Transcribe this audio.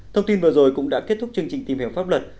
thông tin vừa rồi cũng đã kết thúc chương trình tìm hiểu pháp luật